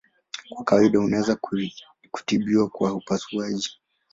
Kwa kawaida unaweza kutibiwa kwa upasuaji.